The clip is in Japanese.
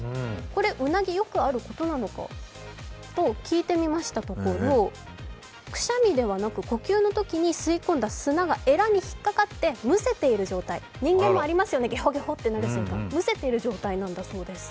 うなぎよくあることなのかと聞いてみましたところ、くしゃみではなく呼吸のときに、吸い込んだ砂がエラに引っかかってむせている状態、人間もありますよね、ゲホゲホとなる瞬間、むせているそうです。